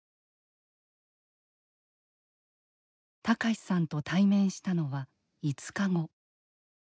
隆さんと対面したのは５日後。